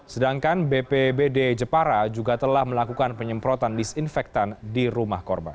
sedangkan bpbd jepara juga telah melakukan penyemprotan disinfektan di rumah korban